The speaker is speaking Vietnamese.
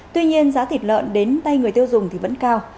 tuy nhiên giá thịt lợn đến tay người tiêu dùng vẫn cao